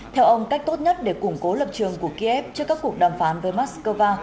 theo ông cách tốt nhất để củng cố lập trường của kiev trước các cuộc đàm phán với moscow